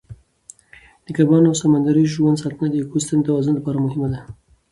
د کبانو او سمندري ژوند ساتنه د ایکوسیستم د توازن لپاره مهمه ده.